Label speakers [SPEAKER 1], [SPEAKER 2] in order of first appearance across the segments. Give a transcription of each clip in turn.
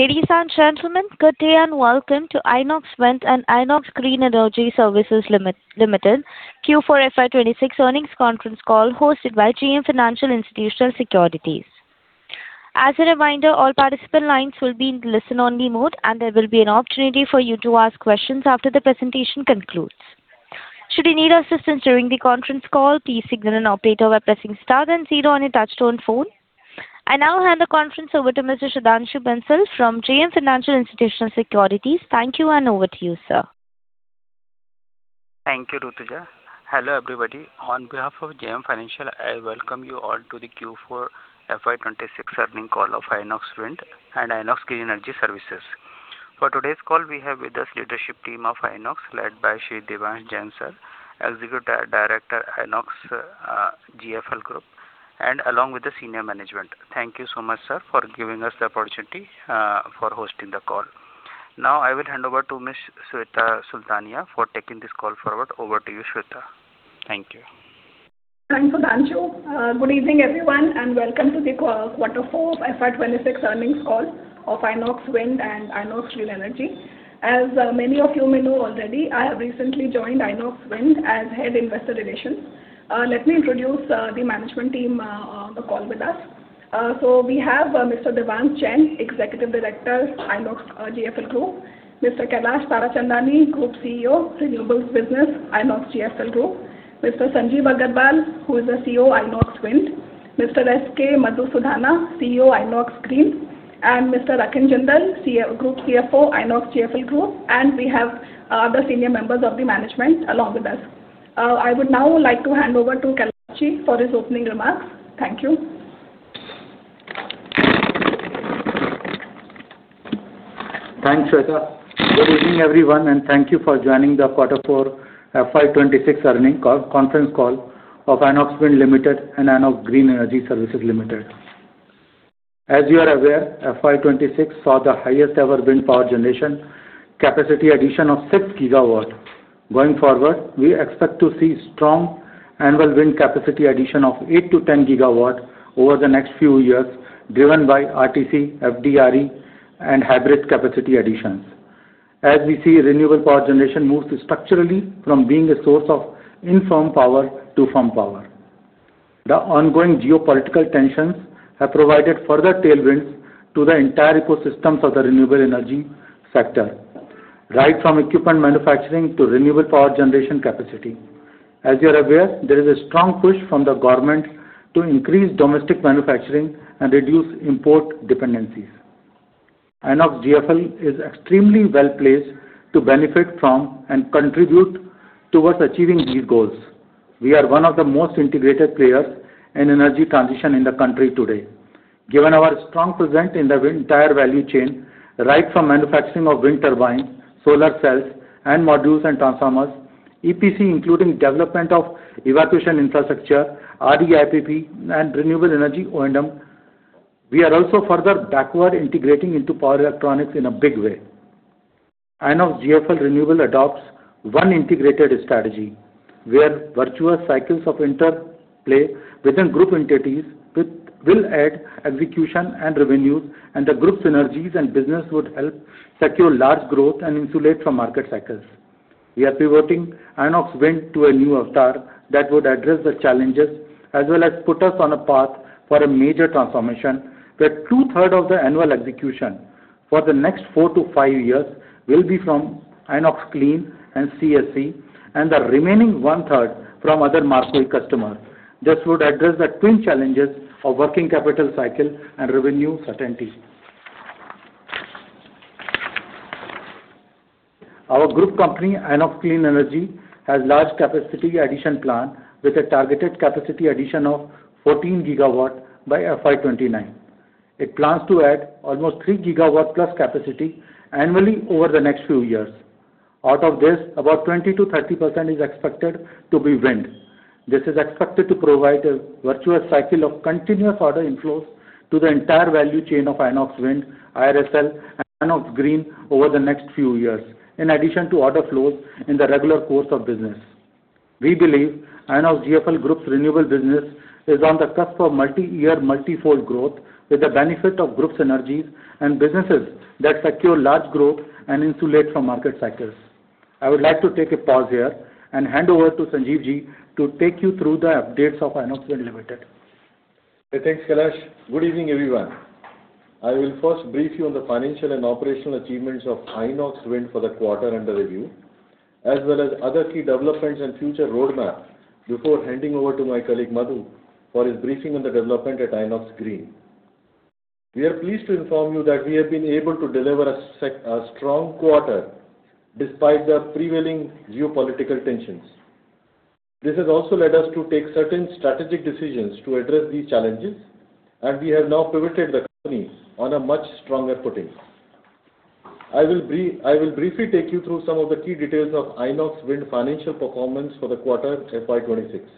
[SPEAKER 1] Ladies and gentlemen, good day and welcome to Inox Wind and Inox Green Energy Services Limited Q4 FY 2026 earnings conference call hosted by JM Financial Institutional Securities. I now hand the conference over to Mr. Sudhanshu Bansal from JM Financial Institutional Securities. Thank you, and over to you, sir.
[SPEAKER 2] Thank you, Rutuja. Hello, everybody. On behalf of JM Financial, I welcome you all to the Q4 FY 2026 earnings call of Inox Wind and Inox Green Energy Services. For today's call, we have with us leadership team of Inox, led by Devansh Jain, sir, Executive Director, INOXGFL Group, and along with the senior management. Thank you so much, sir, for giving us the opportunity for hosting the call. I will hand over to Sweta Sultania for taking this call forward. Over to you, Sweta. Thank you.
[SPEAKER 3] Thanks, Sudhanshu. Good evening, everyone, and welcome to the quarter four FY 2026 earnings call of Inox Wind and Inox Green Energy. As many of you may know already, I have recently joined Inox Wind as Head, Investor Relations. Let me introduce the management team on the call with us. We have Mr. Devansh Jain, Executive Director, INOXGFL Group; Mr. Kailash Tarachandani, Group CEO, Renewables Business, INOXGFL Group; Mr. Sanjeev Agarwal, who is the CEO, Inox Wind; Mr. S. K. Mathusudhana, CEO, Inox Green; and Mr. Akhil Jindal, Group CFO, INOXGFL Group, and we have other senior members of the management along with us. I would now like to hand over to Kailash for his opening remarks. Thank you.
[SPEAKER 4] Thanks, Sweta. Good evening, everyone, and thank you for joining the quarter four FY 2026 conference call of Inox Wind Limited and Inox Green Energy Services Limited. As you are aware, FY 2026 saw the highest ever wind power generation capacity addition of six gigawatts. Going forward, we expect to see strong annual wind capacity addition of 8-10 GW over the next few years, driven by RTC, FDRE, and hybrid capacity additions. As we see renewable power generation move structurally from being a source of infirm power to firm power. The ongoing geopolitical tensions have provided further tailwinds to the entire ecosystems of the renewable energy sector, right from equipment manufacturing to renewable power generation capacity. As you're aware, there is a strong push from the government to increase domestic manufacturing and reduce import dependencies. Inox GFL is extremely well-placed to benefit from and contribute towards achieving these goals. We are one of the most integrated players in energy transition in the country today. Given our strong presence in the entire value chain, right from manufacturing of wind turbines, solar cells, and modules and transformers, EPC, including development of evacuation infrastructure, RE IPP, and renewable energy O&M. We are also further backward integrating into power electronics in a big way. Inox GFL Renewable adopts one integrated strategy, where virtuous cycles of interplay within group entities will add execution and revenues, and the group synergies and business would help secure large growth and insulate from market cycles. We are pivoting Inox Wind to a new avatar that would address the challenges as well as put us on a path for a major transformation, where two-third of the annual execution for the next four to five years will be from Inox Green and CSE and the remaining one-third from other marquee customers. This would address the twin challenges of working capital cycle and revenue certainty. Our group company, Inox Clean Energy, has large capacity addition plan with a targeted capacity addition of 14 GW by FY 2029. It plans to add almost 3 GW plus capacity annually over the next few years. Out of this, about 20%-30% is expected to be wind. This is expected to provide a virtuous cycle of continuous order inflows to the entire value chain of Inox Wind, IRSL, and Inox Green over the next few years. In addition to order flows in the regular course of business. We believe INOXGFL Group's renewable business is on the cusp of multi-year, multi-fold growth with the benefit of group synergies and businesses that secure large growth and insulate from market cycles. I would like to take a pause here and hand over to Sanjeev to take you through the updates of Inox Wind Limited.
[SPEAKER 5] Thanks, Kailash. Good evening, everyone. I will first brief you on the financial and operational achievements of Inox Wind for the quarter under review, as well as other key developments and future roadmap before handing over to my colleague, Mathu, for his briefing on the development at Inox Green. We are pleased to inform you that we have been able to deliver a strong quarter despite the prevailing geopolitical tensions. This has also led us to take certain strategic decisions to address these challenges. We have now pivoted the companies on a much stronger footing. I will briefly take you through some of the key details of Inox Wind financial performance for the quarter FY 2026.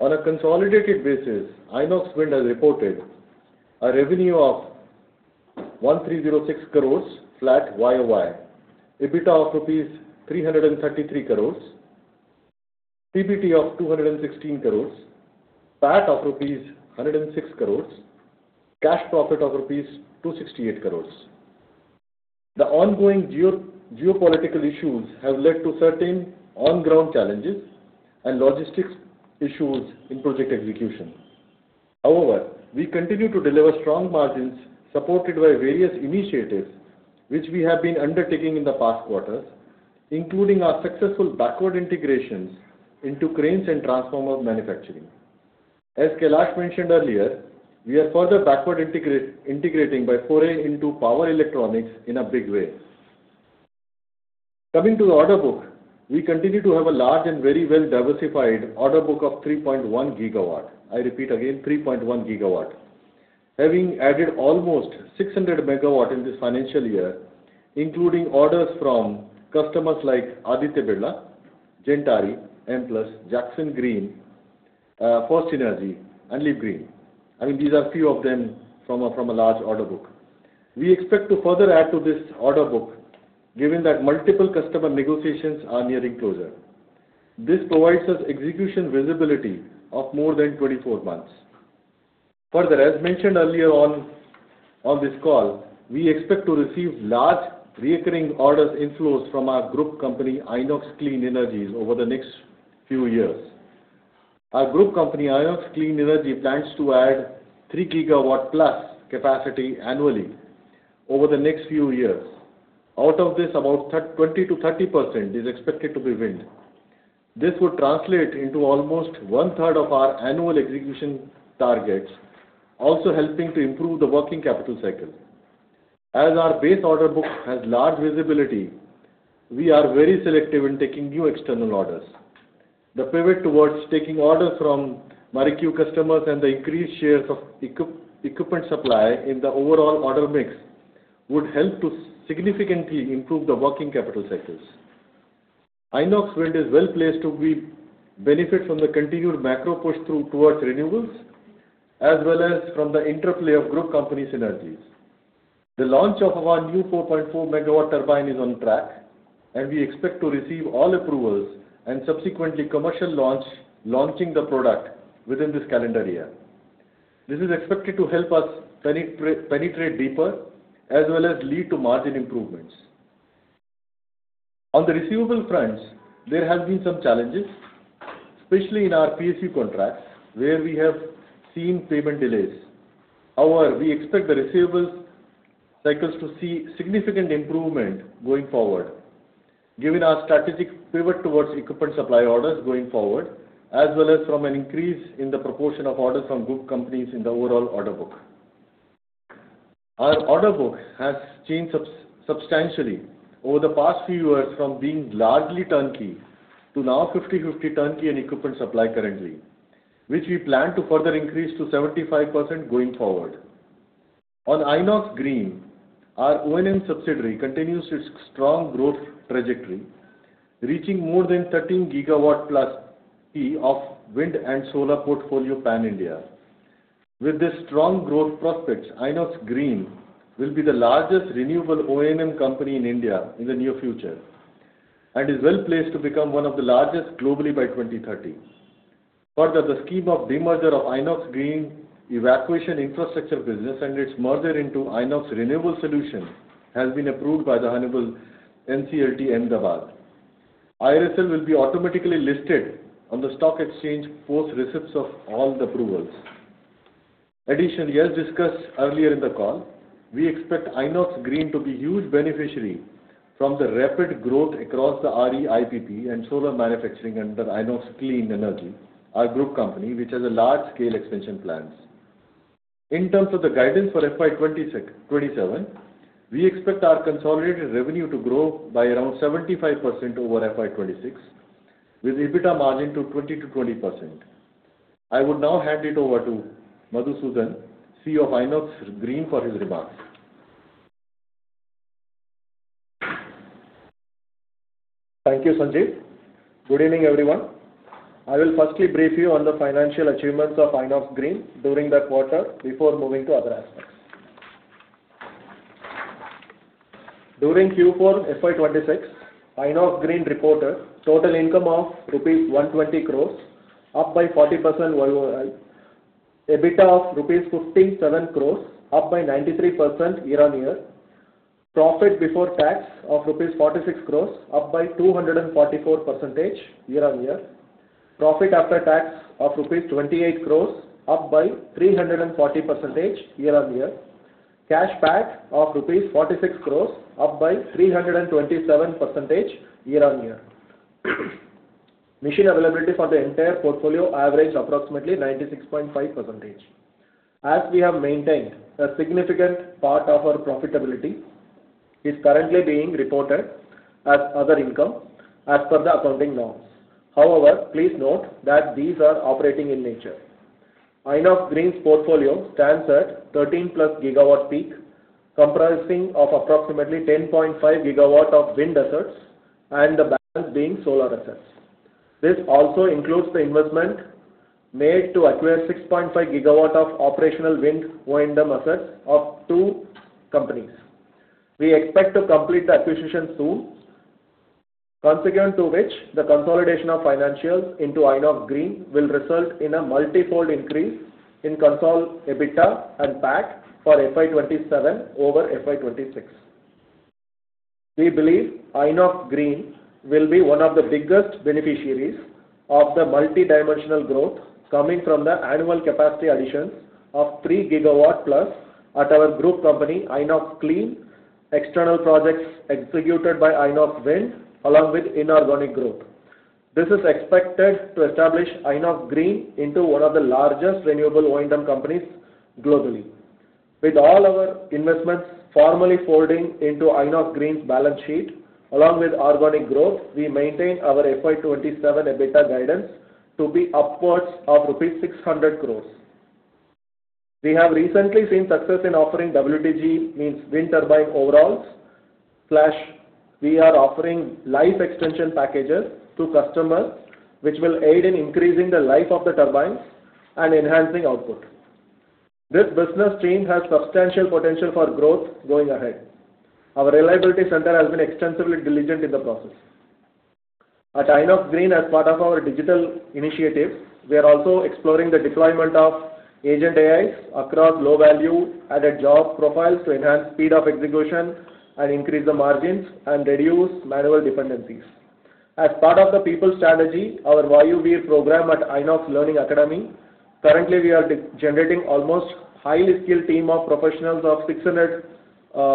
[SPEAKER 5] On a consolidated basis, Inox Wind has reported a revenue of 1,306 crores flat year-over-year, EBITDA of rupees 333 crores, PBT of 216 crores, PAT of rupees 106 crores, cash profit of rupees 268 crores. The ongoing geopolitical issues have led to certain on-ground challenges and logistics issues in project execution. However, we continue to deliver strong margins supported by various initiatives we have been undertaking in the past quarters, including our successful backward integrations into cranes and transformer manufacturing. As Kailash mentioned earlier, we are further backward integrating by foraying into power electronics in a big way. Coming to the order book, we continue to have a large and very well-diversified order book of 3.1 GW. I repeat again, 3.1 GW. Having added almost 600 MW in this financial year, including orders from customers like Aditya Birla, Gentari, Enplus, Jakson Green, Fourth Partner Energy, and Leap Green. These are few of them from a large order book. We expect to further add to this order book, given that multiple customer negotiations are nearing closure. This provides us execution visibility of more than 24 months. Further, as mentioned earlier on this call, we expect to receive large recurring orders inflows from our group company, Inox Clean Energy, over the next few years. Our group company, Inox Clean Energy, plans to add 3 GW plus capacity annually over the next few years. Out of this, about 20%-30% is expected to be wind. This would translate into almost one-third of our annual execution targets, also helping to improve the working capital cycle. As our base order book has large visibility, we are very selective in taking new external orders. The pivot towards taking orders from marquee customers and the increased shares of equipment supply in the overall order mix would help to significantly improve the working capital cycles. Inox Wind is well-placed to benefit from the continued macro push through towards renewables, as well as from the interplay of group company synergies. The launch of our new 4.4 MW turbine is on track. We expect to receive all approvals and subsequently commercial launch, launching the product within this calendar year. This is expected to help us penetrate deeper as well as lead to margin improvements. On the receivable fronts, there have been some challenges, especially in our PSU contracts, where we have seen payment delays. However, we expect the receivables cycles to see significant improvement going forward given our strategic pivot towards equipment supply orders going forward, as well as from an increase in the proportion of orders from group companies in the overall order book. Our order book has changed substantially over the past few years from being largely turnkey to now 50/50 turnkey and equipment supply currently, which we plan to further increase to 75% going forward. On Inox Green, our O&M subsidiary continues its strong growth trajectory, reaching more than 13 GW plus P of wind and solar portfolio Pan India. With the strong growth prospects, Inox Green will be the largest renewable O&M company in India in the near future and is well-placed to become one of the largest globally by 2030. The scheme of demerger of Inox Green evacuation infrastructure business and its merger into Inox Renewable Solutions has been approved by the honorable NCLT Ahmedabad. IRSL will be automatically listed on the stock exchange post receipts of all the approvals. As discussed earlier in the call, we expect Inox Green to be huge beneficiary from the rapid growth across the RE IPP and solar manufacturing under Inox Clean Energy, our group company, which has a large scale expansion plans. In terms of the guidance for FY 2027, we expect our consolidated revenue to grow by around 75% over FY 2026, with EBITDA margin to 20%-20%. I would now hand it over to Mathusudhana, CEO of Inox Green, for his remarks.
[SPEAKER 6] Thank you, Sanjeev. Good evening, everyone. I will firstly brief you on the financial achievements of Inox Green during the quarter before moving to other aspects. During Q4 FY 2026, Inox Green reported total income of rupees 120 crores, up by 40% YOY, EBITDA of rupees 57 crores, up by 93% year-on-year, profit before tax of rupees 46 crores, up by 244% year-on-year, profit after tax of rupees 28 crores, up by 340% year-on-year, cash PAT of rupees 46 crores, up by 327% year-on-year. Machine availability for the entire portfolio averaged approximately 96.5%. As we have maintained, a significant part of our profitability is currently being reported as other income as per the accounting norms. Please note that these are operating in nature. Inox Green's portfolio stands at 13 GW plus peak, comprising of approximately 10.5 GW of wind assets and the balance being solar assets. This also includes the investment made to acquire 6.5 GW of operational wind O&M assets of two companies. We expect to complete the acquisition soon, consequent to which the consolidation of financials into Inox Green will result in a multi-fold increase in consolidated EBITDA and PAT for FY 2027 over FY 2026. We believe Inox Green will be one of the biggest beneficiaries of the multi-dimensional growth coming from the annual capacity additions of 3 GW plus at our group company, Inox Clean, external projects executed by Inox Wind, along with inorganic growth. This is expected to establish Inox Green into one of the largest renewable O&M companies globally. With all our investments formally folding into Inox Green's balance sheet, along with organic growth, we maintain our FY 2027 EBITDA guidance to be upwards of rupees 600 crore. We have recently seen success in offering WTG, means wind turbine overhauls/we are offering life extension packages to customers, which will aid in increasing the life of the turbines and enhancing output. This business stream has substantial potential for growth going ahead. Our reliability center has been extensively diligent in the process. At Inox Green, as part of our digital initiatives, we are also exploring the deployment of agent AIs across low-value added job profiles to enhance speed of execution and increase the margins and reduce manual dependencies. As part of the people strategy, our Yuva program at Inox Learning Academy, currently we are generating almost highly skilled team of professionals of 600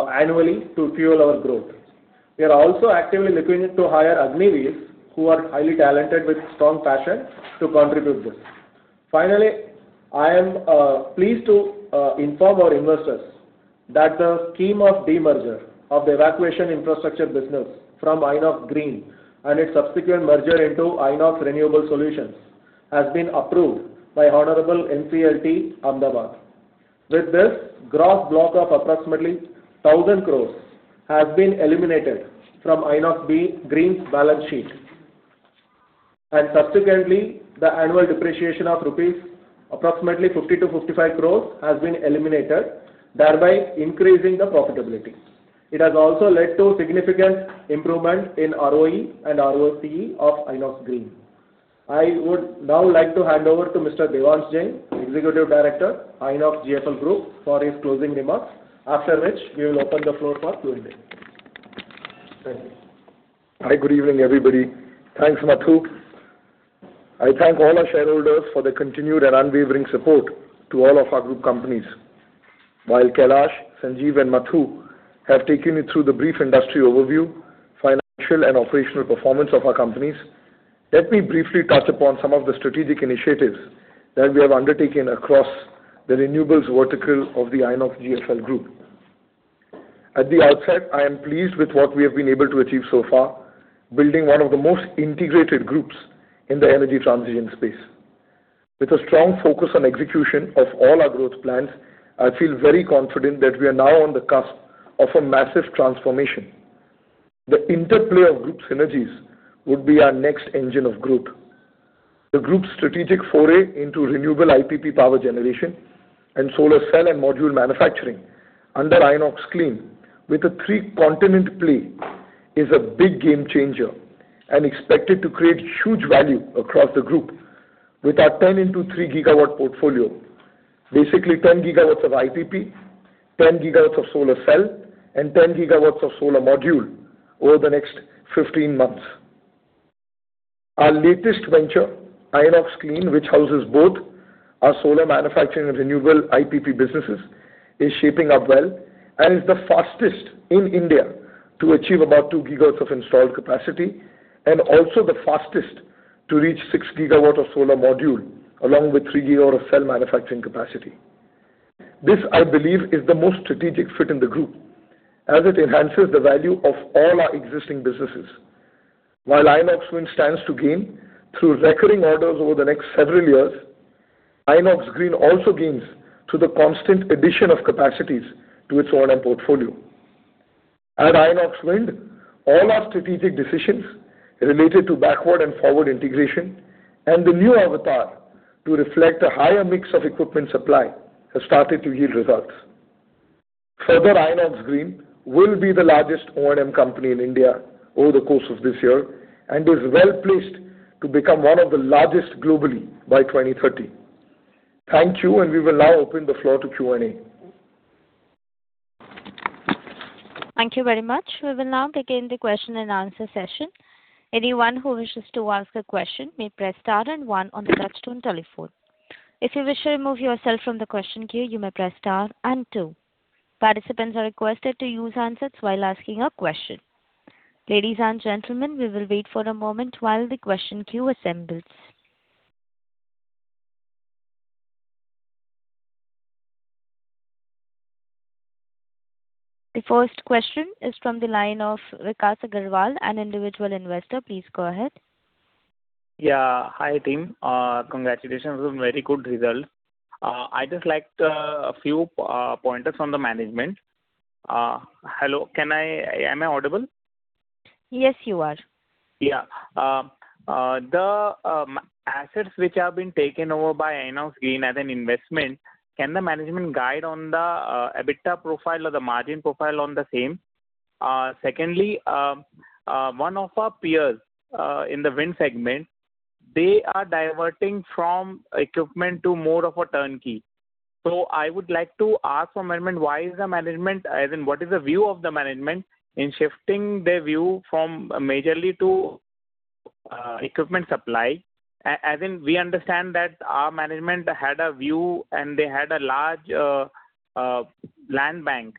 [SPEAKER 6] annually to fuel our growth. We are also actively looking to hire Agniveers, who are highly talented with strong passion to contribute this. I am pleased to inform our investors that the scheme of demerger of the evacuation infrastructure business from Inox Green and its subsequent merger into Inox Renewable Solutions has been approved by honorable NCLT Ahmedabad. With this, gross block of approximately 1,000 crore has been eliminated from Inox Green's balance sheet, and subsequently, the annual depreciation of approximately 50-55 crore rupees has been eliminated, thereby increasing the profitability. It has also led to significant improvement in ROE and ROCE of Inox Green. I would now like to hand over to Mr. Devansh Jain, Executive Director, INOXGFL Group, for his closing remarks, after which we will open the floor for Q&A.
[SPEAKER 7] Hi, good evening, everybody. Thanks, Mathu. I thank all our shareholders for their continued and unwavering support to all of our Group companies. While Kailash, Sanjeev, and Mathu have taken you through the brief industry overview, financial and operational performance of our companies, let me briefly touch upon some of the strategic initiatives that we have undertaken across the Renewables vertical of the INOXGFL Group. At the outset, I am pleased with what we have been able to achieve so far, building one of the most integrated groups in the energy transition space. With a strong focus on execution of all our growth plans, I feel very confident that we are now on the cusp of a massive transformation. The interplay of Group synergies would be our next engine of growth. The group's strategic foray into renewable IPP power generation and solar cell and module manufacturing under Inox Clean, with a three-continent play, is a big game changer and expected to create huge value across the group with our 10 into 3 GW portfolio. 10 GW of IPP, 10 GW of solar cell, and 10 GW of solar module over the next 15 months. Our latest venture, Inox Clean, which houses both our solar manufacturing and renewable IPP businesses, is shaping up well and is the fastest in India to achieve about 2 GW of installed capacity, and also the fastest to reach 6 GW of solar module, along with 3 GW of cell manufacturing capacity. This, I believe, is the most strategic fit in the group, as it enhances the value of all our existing businesses. Inox Wind stands to gain through recurring orders over the next several years, Inox Green also gains through the constant addition of capacities to its O&M portfolio. At Inox Wind, all our strategic decisions related to backward and forward integration and the new avatar to reflect a higher mix of equipment supply has started to yield results. Inox Green will be the largest O&M company in India over the course of this year and is well-placed to become one of the largest globally by 2030. Thank you, and we will now open the floor to Q&A.
[SPEAKER 1] Thank you very much. We will now begin the question-and-answer session. The first question is from the line of Vikas Aggarwal, an individual investor. Please go ahead.
[SPEAKER 8] Yeah. Hi, team. Congratulations on very good results. I just liked a few pointers from the management. Hello, am I audible?
[SPEAKER 1] Yes, you are.
[SPEAKER 8] Yeah. The assets which have been taken over by Inox Green as an investment, can the management guide on the EBITDA profile or the margin profile on the same? Secondly, one of our peers in the wind segment, they are diverting from equipment to more of a turnkey. I would like to ask from management, what is the view of the management in shifting their view from majorly to equipment supply? As in, we understand that our management had a view, and they had a large land bank,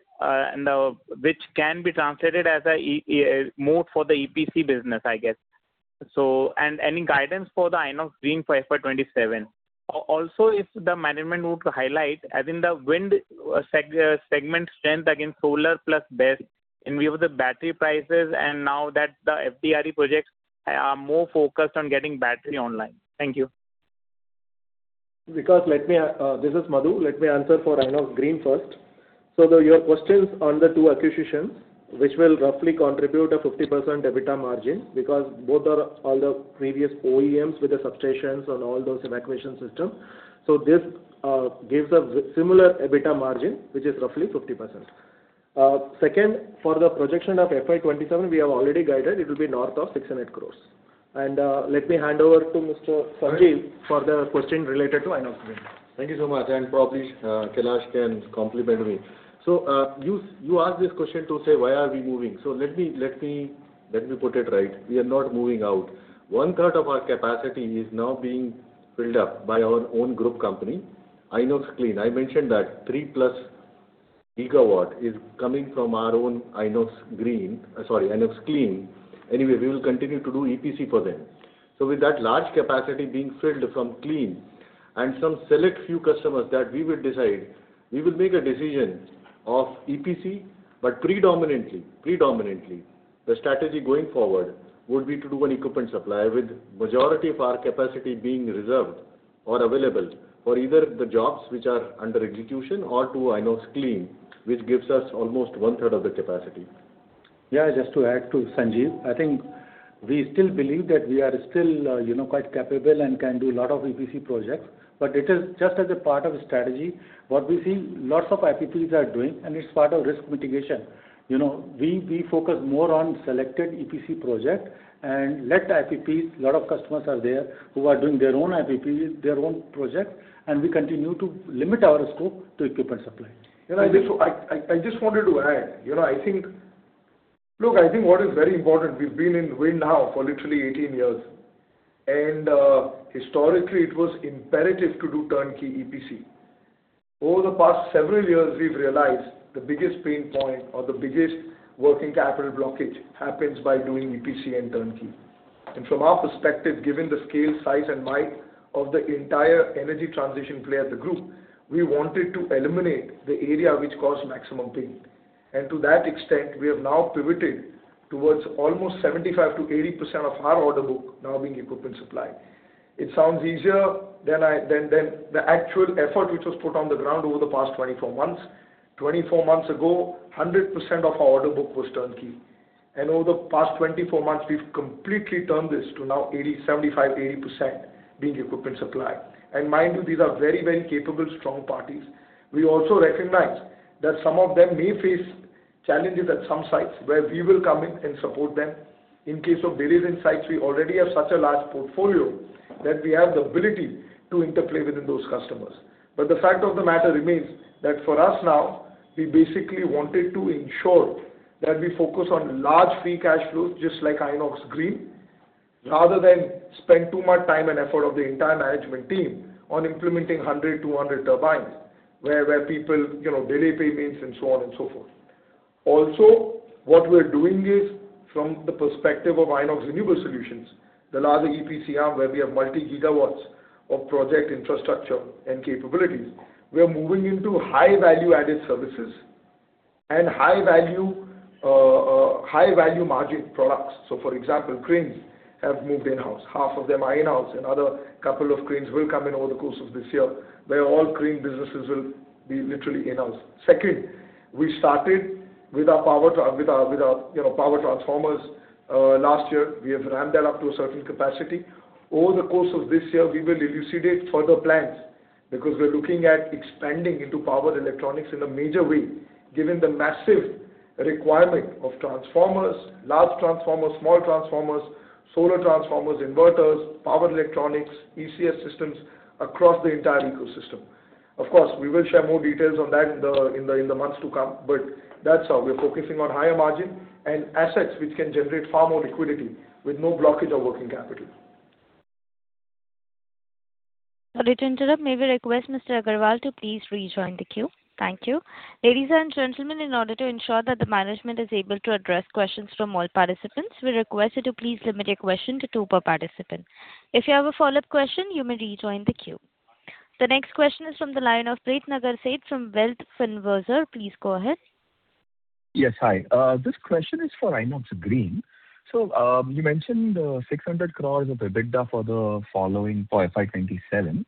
[SPEAKER 8] which can be translated as a moat for the EPC business, I guess. Any guidance for the Inox Green for FY 2027? If the management would highlight the wind segment strength against solar plus BESS in view of the battery prices, and now that the FDRE projects are more focused on getting battery online. Thank you.
[SPEAKER 6] Vikas, this is Mathu. Let me answer for Inox Green first. Your questions on the two acquisitions, which will roughly contribute a 50% EBITDA margin because both are all the previous OEMs with the substations on all those evacuation systems. This gives a similar EBITDA margin, which is roughly 50%. Second, for the projection of FY 2027, we have already guided it will be north of 600 crores. Let me hand over to Mr. Sanjeev for the question related to Inox Wind.
[SPEAKER 5] Thank you so much. Probably Kailash can complement me. You asked this question to say, why are we moving? Let me put it right. We are not moving out. One-third of our capacity is now being filled up by our own group company, Inox Clean. I mentioned that 3-plus GW is coming from our own Inox Clean. Anyway, we will continue to do EPC for them. With that large capacity being filled from Clean and some select few customers that we will decide, we will make a decision of EPC, but predominantly, the strategy going forward would be to do an equipment supply with majority of our capacity being reserved or available for either the jobs which are under execution or to Inox Clean, which gives us almost one-third of the capacity.
[SPEAKER 4] Yeah, just to add to Sanjeev, I think we still believe that we are still quite capable and can do a lot of EPC projects, but it is just as a part of strategy. What we see lots of IPPs are doing, and it's part of risk mitigation. We focus more on selected EPC projects and let IPPs, lot of customers are there who are doing their own IPP, their own projects, and we continue to limit our scope to equipment supply.
[SPEAKER 7] I just wanted to add. Look, I think what is very important, we've been in wind now for literally 18 years. Historically it was imperative to do turnkey EPC. Over the past several years, we've realized the biggest pain point or the biggest working capital blockage happens by doing EPC and turnkey. From our perspective, given the scale, size, and might of the entire energy transition play as a group, we wanted to eliminate the area which caused maximum pain. To that extent, we have now pivoted towards almost 75%-80% of our order book now being equipment supply. It sounds easier than the actual effort which was put on the ground over the past 24 months. 24 months ago, 100% of our order book was turnkey. Over the past 24 months, we've completely turned this to now 75%-80% being equipment supply. Mind you, these are very capable, strong parties. We also recognize that some of them may face challenges at some sites, where we will come in and support them. In case of delays in sites, we already have such a large portfolio that we have the ability to interplay within those customers. The fact of the matter remains, that for us now, we basically wanted to ensure that we focus on large free cash flows, just like Inox Green, rather than spend too much time and effort of the entire management team on implementing 100, 200 turbines, where people delay payments and so on and so forth. What we're doing is from the perspective of Inox Renewable Solutions, the larger EPC arm, where we have multi-gigawatts of project infrastructure and capabilities. We are moving into high value-added services and high-value margin products. For example, cranes have moved in-house. Half of them are in-house, and another couple of cranes will come in over the course of this year, where all crane businesses will be literally in-house. Second, we started with our power transformers last year. We have ramped that up to a certain capacity. Over the course of this year, we will elucidate further plans, because we're looking at expanding into power electronics in a major way, given the massive requirement of transformers, large transformers, small transformers, solar transformers, inverters, power electronics, ECS systems across the entire ecosystem. Of course, we will share more details on that in the months to come, but that's how we're focusing on higher margin and assets which can generate far more liquidity with no blockage of working capital.
[SPEAKER 1] Sorry to interrupt. May we request Mr. Aggarwal, to please rejoin the queue. Thank you. Ladies and gentlemen, in order to ensure that the management is able to address questions from all participants, we request you to please limit your question to two per participant. If you have a follow-up question, you may rejoin the queue. The next question is from the line of Prateek Nagar from Wealth Fund Versa. Please go ahead.
[SPEAKER 9] Yes, hi. This question is for Inox Green. You mentioned 600 crore of EBITDA for FY 2027.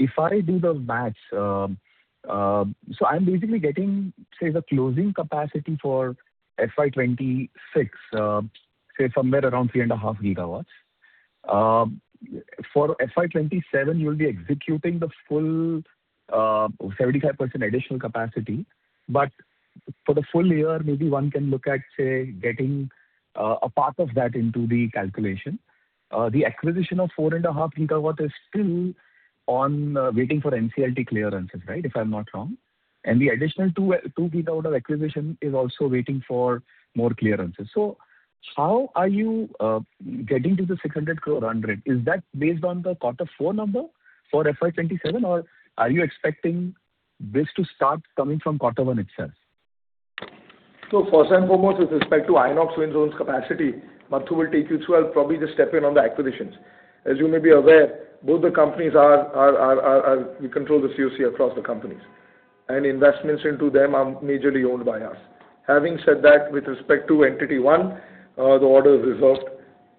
[SPEAKER 9] If I do the math, I'm basically getting, say, the closing capacity for FY 2026, say somewhere around 3.5 gigawatts. For FY 2027, you'll be executing the full 75% additional capacity. For the full year, maybe one can look at, say, getting a part of that into the calculation. The acquisition of 4.5 gigawatts is still waiting for NCLT clearances, right? If I'm not wrong. The additional two gigawatts of acquisition is also waiting for more clearances. How are you getting to the 600 crore run rate? Is that based on the quarter four number for FY 2027, or are you expecting this to start coming from quarter one itself?
[SPEAKER 7] First and foremost, with respect to Inox Wind's capacity, Mathu will take you through. I'll probably just step in on the acquisitions. As you may be aware, both the companies, we control the COC across the companies, and investments into them are majorly owned by us. Having said that, with respect to entity one, the order is reserved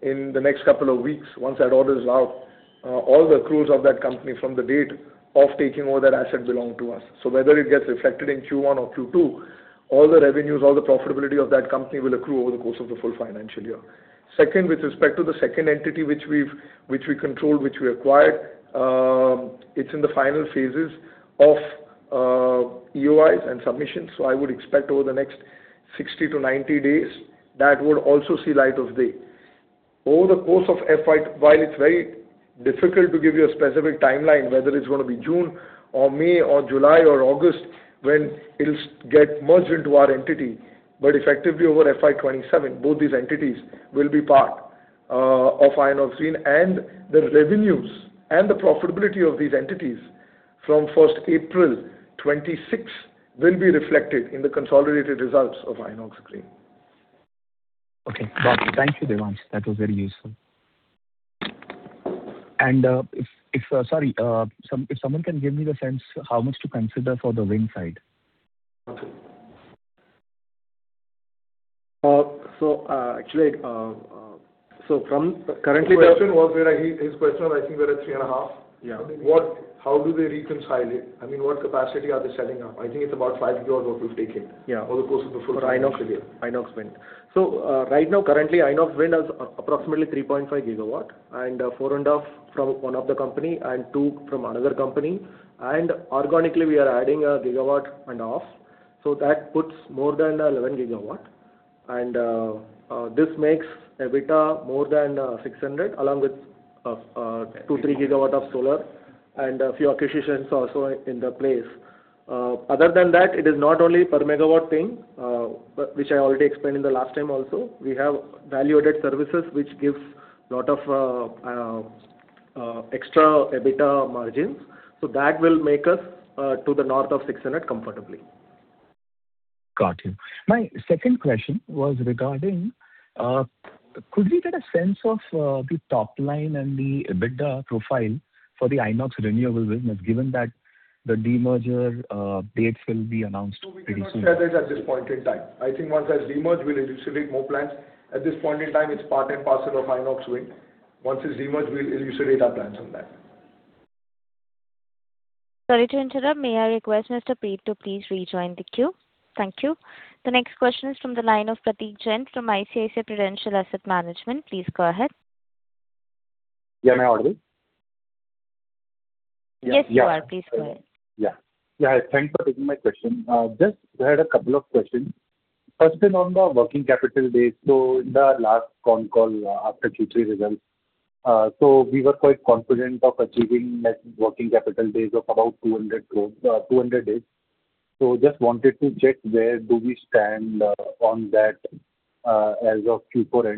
[SPEAKER 7] in the next couple of weeks. Once that order is out, all the accruals of that company from the date of taking over that asset belong to us. Whether it gets reflected in Q1 or Q2, all the revenues, all the profitability of that company will accrue over the course of the full financial year. Second, with respect to the second entity, which we control, which we acquired, it's in the final phases of EOIs and submissions. I would expect over the next 60 to 90 days, that would also see light of day. Over the course of FY, while it's very difficult to give you a specific timeline, whether it's going to be June or May or July or August when it'll get merged into our entity. Effectively, over FY 2027, both these entities will be part of Inox Wind, and the revenues and the profitability of these entities from first April 2026 will be reflected in the consolidated results of Inox Wind.
[SPEAKER 9] Okay. Got it. Thank you, Devansh. That was very useful. If someone can give me the sense how much to consider for the wind side.
[SPEAKER 7] Mathu.
[SPEAKER 6] Actually.
[SPEAKER 7] His question was, I think we're at three and a half.
[SPEAKER 6] Yeah.
[SPEAKER 7] How do they reconcile it? What capacity are they setting up? I think it's about 5 GW what we've taken.
[SPEAKER 6] Yeah.
[SPEAKER 7] Over the course of the full financial year.
[SPEAKER 6] For Inox Wind. Right now, currently, Inox Wind has approximately 3.5 GW and 4.5 GW from one of the company and 2 GW from another company. Organically, we are adding 1.5 GW, so that puts more than 11 GW. This makes EBITDA more than 600, along with 2 GW, 3 GW of solar and a few acquisitions also in the place. Other than that, it is not only per megawatt thing, which I already explained in the last time also. We have value-added services, which gives lot of extra EBITDA margins. That will make us to the north of 600 comfortably.
[SPEAKER 9] Got you. My second question was regarding, could we get a sense of the top line and the EBITDA profile for the Inox renewable business, given that the demerger dates will be announced pretty soon?
[SPEAKER 7] No, we cannot share that at this point in time. I think once that demerge, we'll elucidate more plans. At this point in time, it's part and parcel of Inox Wind. Once it's demerged, we'll elucidate our plans on that.
[SPEAKER 1] Sorry to interrupt. May I request Mr. Prateek to please rejoin the queue? Thank you. The next question is from the line of Prateek Jain from ICICI Prudential Asset Management. Please go ahead.
[SPEAKER 10] Yeah, may I order?
[SPEAKER 1] Yes, you are. Please go ahead.
[SPEAKER 10] Thanks for taking my question. Just had a couple of questions. First is on the working capital days. In the last con call after Q3 results, we were quite confident of achieving net working capital days of about 200 days. Just wanted to check where do we stand on that as of Q4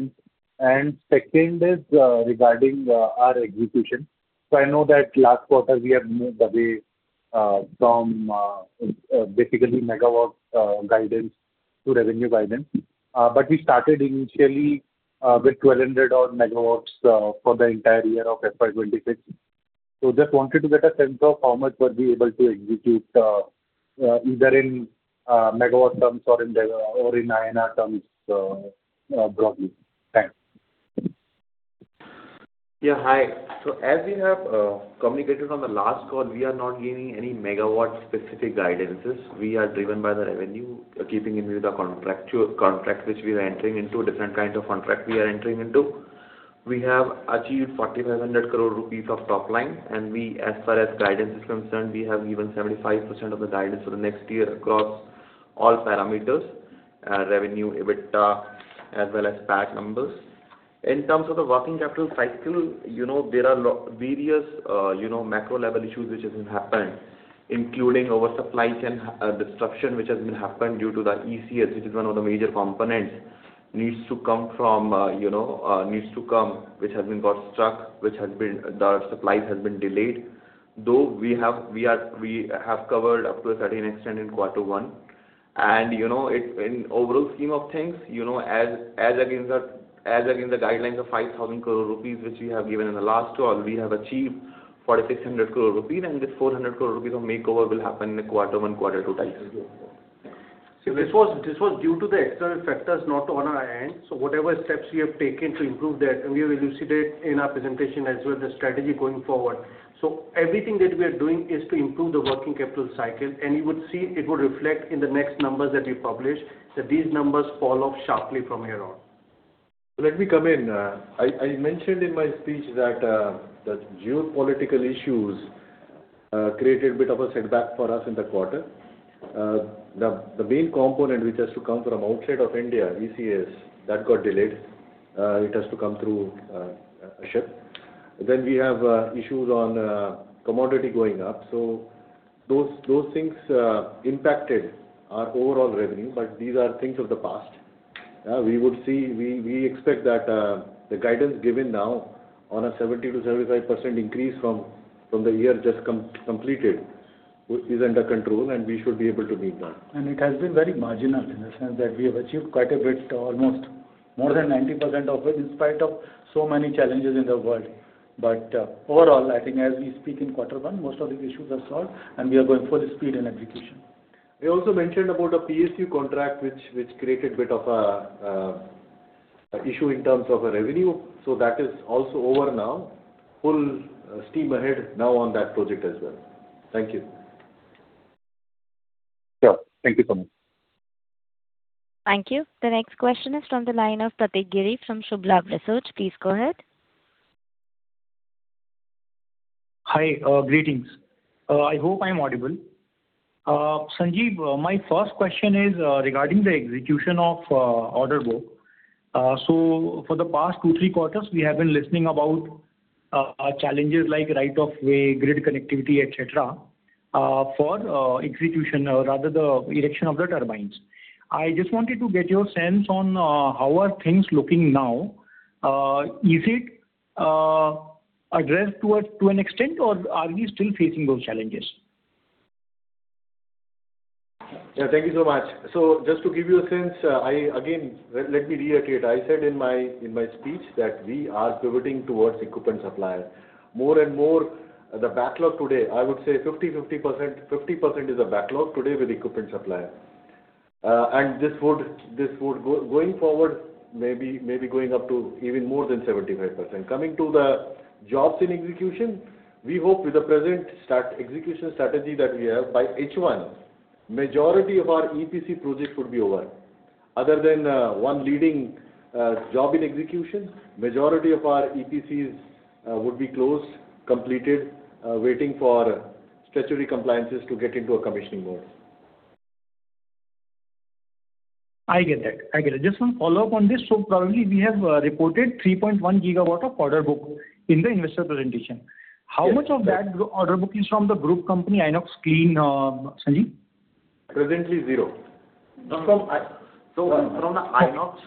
[SPEAKER 10] end. Second is regarding our execution. I know that last quarter we have moved away from basically megawatt guidance to revenue guidance. We started initially with 1,200 MW for the entire year of FY 2026. Just wanted to get a sense of how much we'll be able to execute, either in megawatt terms or in INR terms broadly. Thanks.
[SPEAKER 11] Yeah, hi. As we have communicated on the last call, we are not giving any megawatt specific guidance. We are driven by the revenue, keeping in view the contract which we are entering into, different kind of contract we are entering into. We have achieved 4,500 crore rupees of top line, as far as guidance is concerned, we have given 75% of the guidance for the next year across all parameters, revenue, EBITDA, as well as PAT numbers. In terms of the working capital cycle, there are various macro level issues which has been happened, including our supply chain disruption, which has been happened due to the ECS, which is one of the major components, needs to come which has been got stuck, the supply has been delayed. Though we have covered up to a certain extent in quarter one. In overall scheme of things, as against the guidelines of 5,000 crore rupees, which we have given in the last two, and we have achieved 4,600 crore rupees, and this 400 crore rupees of makeover will happen in the quarter one, quarter two time.
[SPEAKER 4] This was due to the external factors not on our end. Whatever steps we have taken to improve that, and we have elucidated in our presentation as well, the strategy going forward. Everything that we are doing is to improve the working capital cycle, and you would see it would reflect in the next numbers that we publish, that these numbers fall off sharply from here on.
[SPEAKER 5] Let me come in. I mentioned in my speech that the geopolitical issues created a bit of a setback for us in the quarter. The main component, which has to come from outside of India, ECS, that got delayed. It has to come through a ship. We have issues on commodity going up. Those things impacted our overall revenue. These are things of the past. We expect that the guidance given now on a 70%-75% increase from the year just completed is under control, and we should be able to meet that.
[SPEAKER 4] It has been very marginal in the sense that we have achieved quite a bit, almost more than 90% of it, in spite of so many challenges in the world. Overall, I think as we speak in Q1, most of the issues are solved, and we are going full speed in execution.
[SPEAKER 5] We also mentioned about a PSU contract, which created a bit of an issue in terms of revenue. That is also over now. Full steam ahead now on that project as well. Thank you.
[SPEAKER 4] Sure. Thank you, Kamal.
[SPEAKER 1] Thank you. The next question is from the line of Pratik Giri from Shubhlaxmi Research. Please go ahead.
[SPEAKER 12] Hi. Greetings. I hope I'm audible. Sanjeev, my first question is regarding the execution of order book. For the past two, three quarters, we have been listening about challenges like Right of Way, grid connectivity, etc., for execution or rather the erection of the turbines. I just wanted to get your sense on how are things looking now. Is it addressed to an extent or are we still facing those challenges?
[SPEAKER 5] Thank you so much. Just to give you a sense, again, let me reiterate. I said in my speech that we are pivoting towards equipment supplier. More and more, the backlog today, I would say 50/50% is a backlog today with equipment supplier. Going forward, maybe going up to even more than 75%. Coming to the jobs in execution, we hope with the present execution strategy that we have, by H1, majority of our EPC projects would be over. Other than one leading job in execution, majority of our EPCs would be closed, completed, waiting for statutory compliances to get into a commissioning mode.
[SPEAKER 12] I get that. Just one follow-up on this. Probably we have reported 3.1 GW of order book in the investor presentation.
[SPEAKER 5] Yes.
[SPEAKER 12] How much of that order book is from the group company, Inox Clean, Sanjeev?
[SPEAKER 5] Presently zero.
[SPEAKER 4] From Inox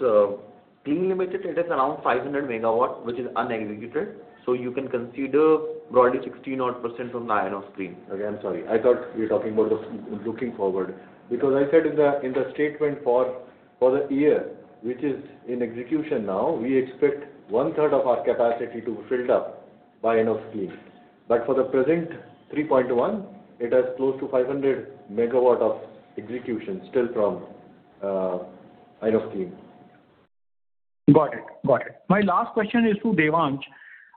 [SPEAKER 4] Clean Energy Limited, it is around 500 MW, which is unexecuted. You can consider broadly 60% from the Inox Clean Energy.
[SPEAKER 5] I'm sorry. I thought you were talking about the looking forward, because I said in the statement for the year, which is in execution now, we expect one third of our capacity to be filled up by Inox Clean. For the present 3.1, it has close to 500 MW of execution still from Inox Clean.
[SPEAKER 12] Got it. My last question is to Devansh.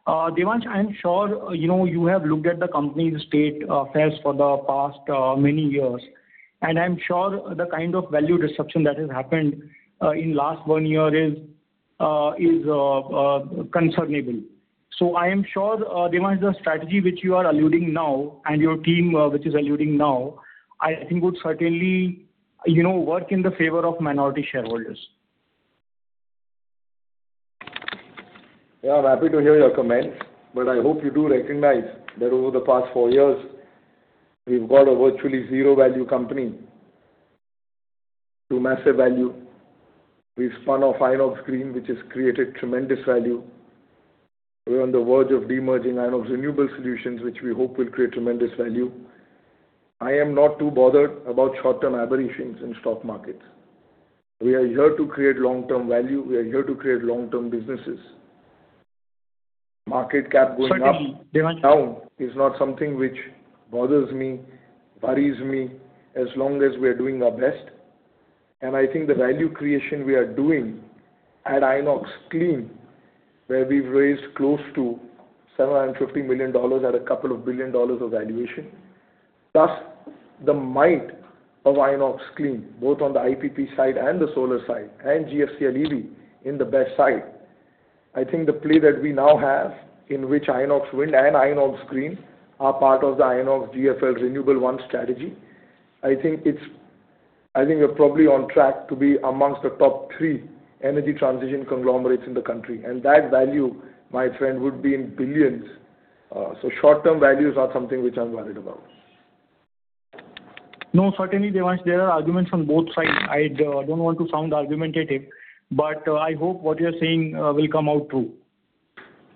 [SPEAKER 12] Devansh, I'm sure you have looked at the company's state affairs for the past many years. I'm sure the kind of value disruption that has happened in last one year is concerning. I am sure, Devansh, the strategy which you are alluding now and your team which is alluding now, I think would certainly work in the favor of minority shareholders.
[SPEAKER 7] I'm happy to hear your comments. I hope you do recognize that over the past four years, we've got a virtually zero value company to massive value. We've spun off Inox Clean, which has created tremendous value. We're on the verge of demerging Inox Renewable Solutions, which we hope will create tremendous value. I am not too bothered about short-term aberrations in stock markets. We are here to create long-term value. We are here to create long-term businesses. Market cap going up.
[SPEAKER 12] Certainly, Devansh.
[SPEAKER 7] Down is not something which bothers me, worries me, as long as we are doing our best. I think the value creation we are doing at Inox Clean, where we've raised close to $750 million at a couple of billion dollars of valuation. The might of Inox Clean, both on the IPP side and the solar side, and GFCL EV in the BESS side. I think the play that we now have in which Inox Wind and Inox Green are part of the Inox GFL Renewable 1 strategy. I think we're probably on track to be amongst the top three energy transition conglomerates in the country, and that value, my friend, would be in billions. Short-term value is not something which I'm worried about.
[SPEAKER 12] No, certainly, Devansh, there are arguments on both sides. I don't want to sound argumentative. I hope what you're saying will come out true.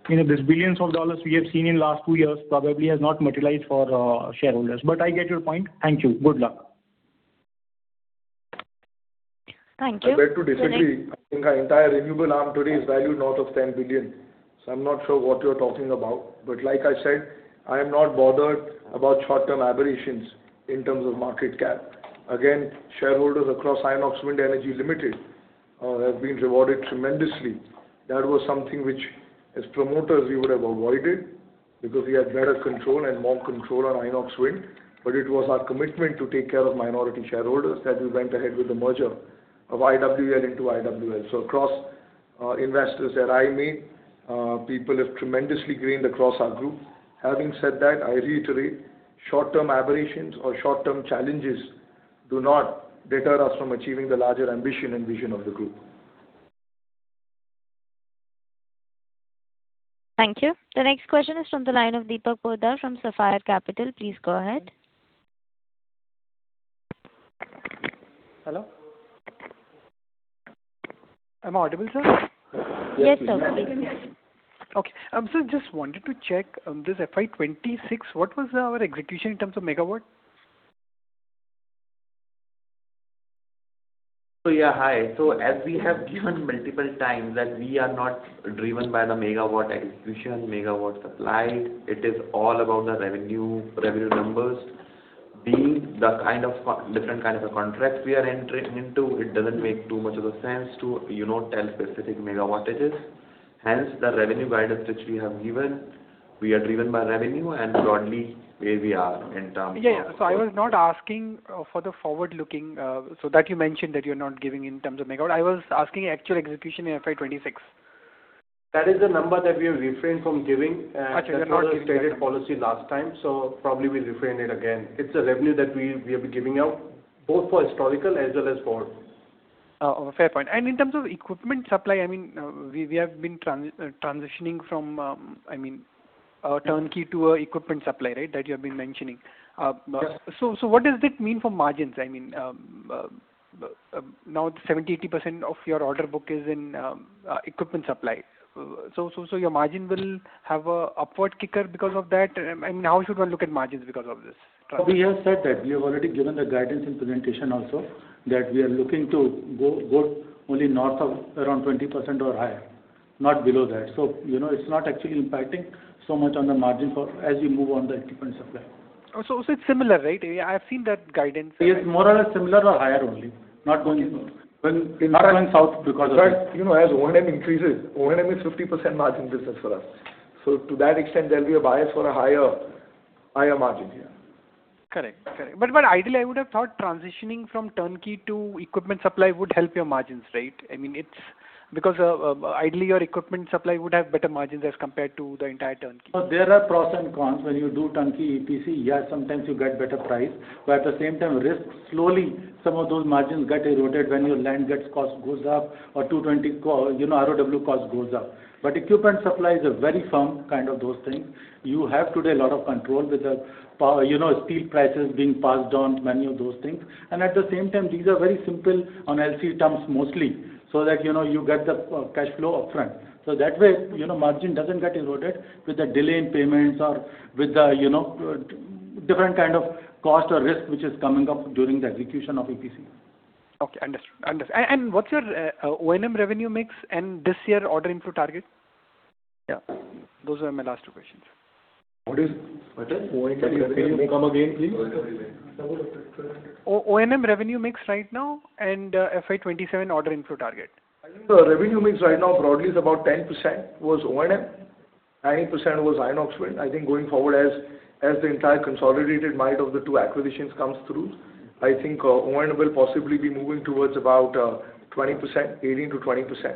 [SPEAKER 12] These billions of dollars we have seen in last two years probably has not materialized for shareholders. I get your point. Thank you. Good luck.
[SPEAKER 7] Thank you. I beg to disagree. I think our entire renewable arm today is valued north of 10 billion. I'm not sure what you're talking about. Like I said, I am not bothered about short-term aberrations in terms of market cap. Shareholders across Inox Wind Energy Limited have been rewarded tremendously. That was something which, as promoters, we would have avoided because we had better control and more control on Inox Wind. It was our commitment to take care of minority shareholders that we went ahead with the merger of IWEL into IWL. Across investors that I meet, people have tremendously gained across our group. Having said that, I reiterate, short-term aberrations or short-term challenges do not deter us from achieving the larger ambition and vision of the group.
[SPEAKER 1] Thank you. The next question is from the line of Deepak Poddar from Sapphire Capital. Please go ahead.
[SPEAKER 13] Hello. Am I audible, sir?
[SPEAKER 1] Yes, okay.
[SPEAKER 13] Okay. Sir, just wanted to check this FY 2026, what was our execution in terms of megawatt?
[SPEAKER 11] Hi. As we have given multiple times that we are not driven by the megawatt execution, megawatt supply, it is all about the revenue numbers. Being the different kind of a contract we are entering into, it doesn't make too much of a sense to tell specific megawattage. The revenue guidance which we have given, we are driven by revenue and broadly where we are in terms of.
[SPEAKER 13] Yeah. I was not asking for the forward-looking, so that you mentioned that you're not giving in terms of megawatt. I was asking actual execution in FY 2026.
[SPEAKER 4] That is the number that we have refrained from giving.
[SPEAKER 13] Okay. You're not giving that number.
[SPEAKER 4] That was our stated policy last time, so probably we'll refrain it again. It's a revenue that we will be giving out both for historical as well as forward.
[SPEAKER 13] Fair point. In terms of equipment supply, we have been transitioning from turnkey to equipment supply, right? That you have been mentioning.
[SPEAKER 4] Yes.
[SPEAKER 13] What does it mean for margins? Now 70%-80% of your order book is in equipment supply. Your margin will have a upward kicker because of that? How should one look at margins because of this?
[SPEAKER 4] We have said that. We have already given the guidance in presentation also that we are looking to go only north of around 20% or higher, not below that. It's not actually impacting so much on the margin as we move on the equipment supply.
[SPEAKER 13] It's similar, right? I've seen that guidance.
[SPEAKER 4] It's more or less similar or higher only, not going north.
[SPEAKER 13] Not going south because of it.
[SPEAKER 4] As O&M increases, O&M is 50% margin business for us. To that extent, there'll be a bias for a higher margin here.
[SPEAKER 13] Correct. Ideally, I would have thought transitioning from turnkey to equipment supply would help your margins, right? Ideally, your equipment supply would have better margins as compared to the entire turnkey.
[SPEAKER 4] There are pros and cons when you do turnkey EPC. Yes, sometimes you get better price, but at the same time, risk. Slowly, some of those margins get eroded when your land cost goes up or 220 ROW cost goes up. Equipment supply is a very firm kind of those things. You have today a lot of control with the steel prices being passed on, many of those things. At the same time, these are very simple on LC terms, mostly, so that you get the cash flow upfront. That way, margin doesn't get eroded with the delay in payments or with the different kind of cost or risk which is coming up during the execution of EPC.
[SPEAKER 13] Okay, understood. What's your O&M revenue mix and this year order inflow target? Those were my last two questions.
[SPEAKER 4] What is?
[SPEAKER 13] O&M-
[SPEAKER 4] Can you repeat again, please?
[SPEAKER 13] O&M revenue mix right now and FY 2027 order inflow target.
[SPEAKER 4] I think the revenue mix right now broadly is about 10% was O&M, 90% was Inox Wind. I think going forward, as the entire consolidated might of the two acquisitions comes through, I think O&M will possibly be moving towards about 18%-20%.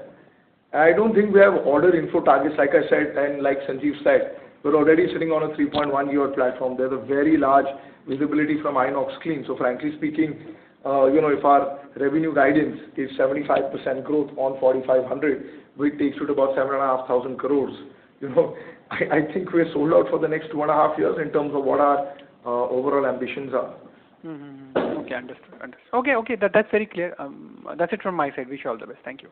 [SPEAKER 4] I don't think we have order inflow targets, like I said, and like Sanjeev said, we're already sitting on a 3.1-year platform. There's a very large visibility from Inox Clean. Frankly speaking, if our revenue guidance is 75% growth on 4,500, which takes it about 7,500 crores, I think we're sold out for the next two and a half years in terms of what our overall ambitions are.
[SPEAKER 13] Okay, understood. That's very clear. That's it from my side. Wish you all the best. Thank you.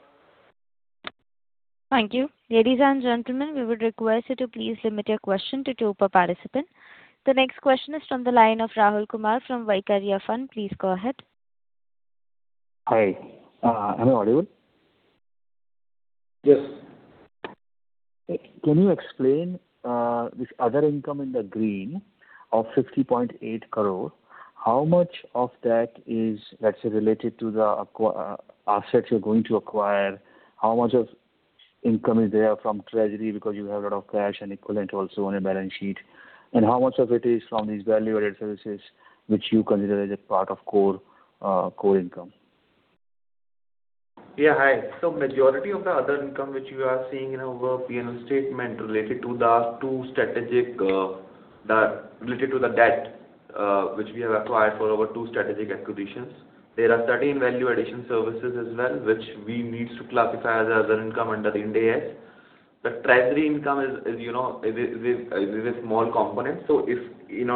[SPEAKER 1] Thank you. Ladies and gentlemen, we would request you to please limit your question to two per participant. The next question is from the line of Rahul Kumar from Vaikarya Fund. Please go ahead.
[SPEAKER 14] Hi. Am I audible?
[SPEAKER 4] Yes.
[SPEAKER 14] Can you explain this other income in the green of 60.8 crore? How much of that is, let's say, related to the assets you're going to acquire? How much of income is there from treasury because you have a lot of cash and equivalent also on your balance sheet? How much of it is from these value-added services which you consider as a part of core income?
[SPEAKER 11] Hi. Majority of the other income which you are seeing in our P&L statement related to the debt, which we have acquired for our two strategic acquisitions. There are certain value addition services as well, which we need to classify as other income under Ind AS. The treasury income is a small component. If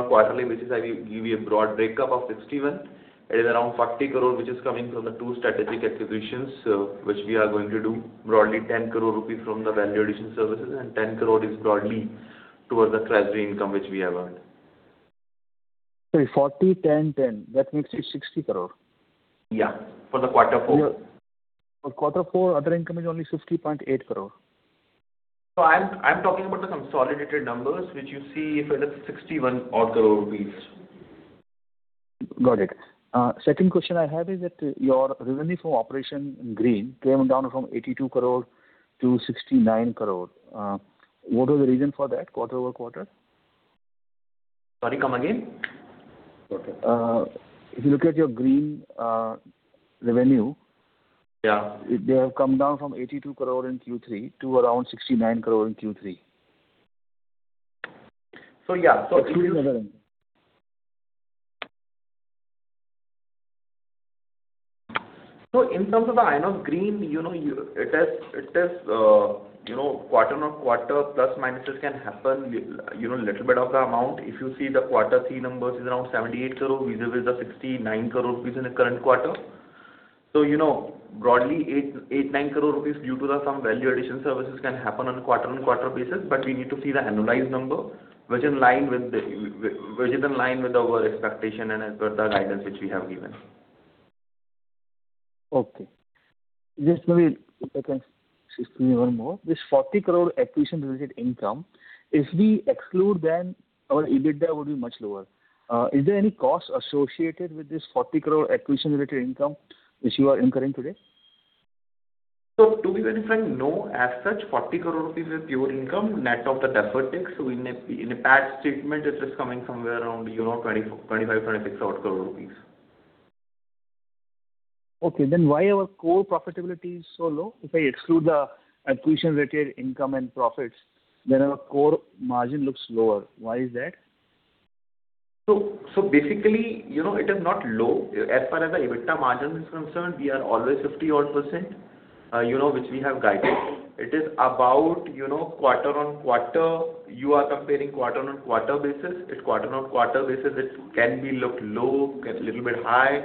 [SPEAKER 11] quarterly, which is I give you a broad breakup of 61, it is around 40 crore, which is coming from the two strategic acquisitions, which we are going to do. Broadly 10 crore rupees from the value addition services, 10 crore is broadly towards the treasury income which we have earned.
[SPEAKER 14] Sorry, 40, 10. That makes it 60 crore.
[SPEAKER 11] Yeah, for the quarter four.
[SPEAKER 14] For quarter four, other income is only 60.8 crore.
[SPEAKER 11] I'm talking about the consolidated numbers, which you see is 61 odd crore.
[SPEAKER 14] Got it. Second question I have is that your revenue from operation Green came down from 82 crore to 69 crore. What was the reason for that quarter-over-quarter?
[SPEAKER 11] Pardon. Come again.
[SPEAKER 14] If you look at your Green revenue.
[SPEAKER 11] Yeah.
[SPEAKER 14] They have come down from 82 crore in Q3 to around 69 crore in Q3.
[SPEAKER 11] Yeah.
[SPEAKER 14] 69 crore.
[SPEAKER 11] In terms of the Inox Green, quarter-on-quarter plus, minuses can happen, little bit of the amount. If you see the quarter three numbers is around 78 crore versus 69 crore rupees in the current quarter. Broadly 8-9 crore rupees due to some value addition services can happen on quarter-on-quarter basis, but we need to see the annualized number, which is in line with our expectation and as per the guidance which we have given.
[SPEAKER 14] Okay. Just maybe, if I can ask you one more. This 40 crore acquisition related income, if we exclude them, our EBITDA would be much lower. Is there any cost associated with this 40 crore acquisition related income which you are incurring today?
[SPEAKER 11] To be very frank, no. As such, 40 crore rupees is pure income net of the deferred tax. In a P&L statement, it is coming somewhere around 25, 26 crores.
[SPEAKER 14] Why our core profitability is so low? If I exclude the acquisition related income and profits, then our core margin looks lower. Why is that?
[SPEAKER 11] Basically, it is not low. As far as the EBITDA margin is concerned, we are always 50-odd%, which we have guided. It is about quarter-on-quarter. You are comparing quarter-on-quarter basis. At quarter-on-quarter basis, it can be looked low, can little bit high.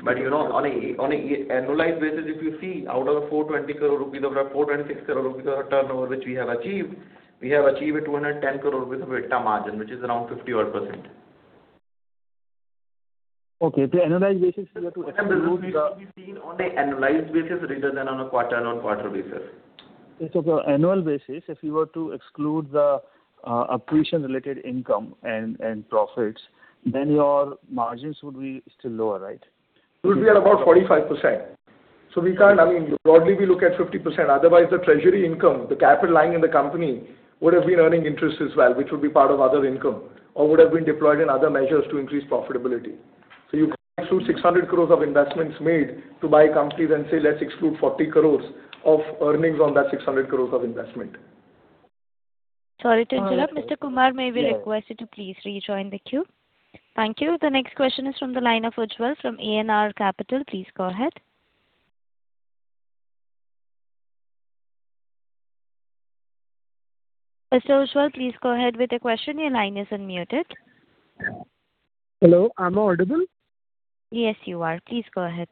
[SPEAKER 11] On an annualized basis, if you see, out of 420 crore rupees, 426 crore rupees of turnover which we have achieved, we have achieved an 210 crore rupees of EBITDA margin, which is around 50-odd%.
[SPEAKER 14] Okay. If the annualized basis you have to exclude.
[SPEAKER 11] We've seen on a annualized basis rather than on a quarter-over-quarter basis.
[SPEAKER 14] For annual basis, if you were to exclude the acquisition related income and profits, then your margins would be still lower, right?
[SPEAKER 7] It would be at about 45%. We can't, I mean, broadly we look at 50%, otherwise the treasury income, the capital lying in the company would have been earning interest as well, which would be part of other income, or would have been deployed in other measures to increase profitability. You can't exclude 600 crore of investments made to buy companies and say, let's exclude 40 crore of earnings on that 600 crore of investment.
[SPEAKER 1] Sorry to interrupt. Mr. Kumar, may we request you to please rejoin the queue. Thank you. The next question is from the line of Ujjwal from ANR Capital. Please go ahead. Mr. Ujjwal, please go ahead with the question. Your line is unmuted.
[SPEAKER 15] Hello, am I audible?
[SPEAKER 1] Yes, you are. Please go ahead.